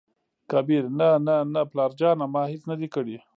کبير : نه نه نه پلاره جانه ! ما هېڅ نه دى کړي.